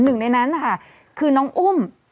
หนึ่งในนั้นนะคะคือน้องอุ้ม